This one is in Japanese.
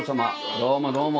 どうもどうも。